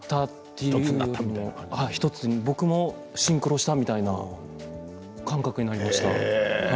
僕もシンクロしたみたいな感覚になりました。